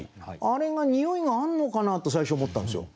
あれがにおいがあんのかな？と最初思ったんですよ。